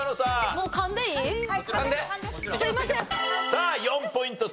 さあ４ポイント